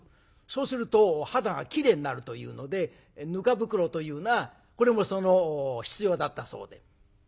そうすると肌がきれいになるというのでぬか袋というのがこれも必要だったそうで。